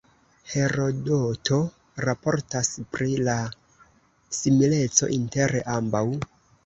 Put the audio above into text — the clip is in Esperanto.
Herodoto raportas pri la simileco inter ambaŭ.